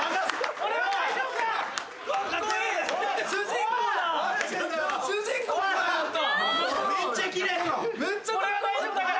俺は大丈夫だから。